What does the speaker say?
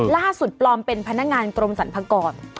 ปลอมเป็นพนักงานกรมสรรพากร